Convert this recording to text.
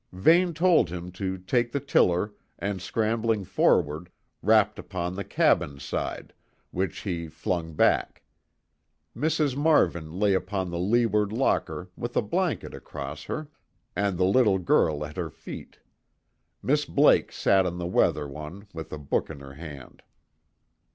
Vane told him to take the tiller and scrambling forward, rapped upon the cabin side, which he flung back. Mrs. Marvin lay upon the leeward locker with a blanket across her and the little girl at her feet; Miss Blake sat on the weather one with a book in her hand.